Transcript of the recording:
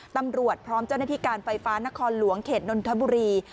พร้อมเจ้าหน้าที่การไฟฟ้านครหลวงเขตนนทบุรี